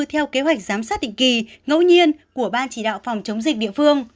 theo kế hoạch giám sát định kỳ ngẫu nhiên của ban chỉ đạo phòng chống dịch địa phương